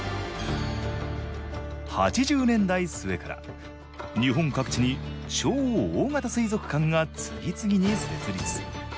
８０年代末から日本各地に超大型水族館が次々に設立。